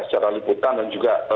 secara liputan dan juga